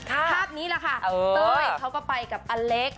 ภาพนี้แหละค่ะเต้ยเขาก็ไปกับอเล็ก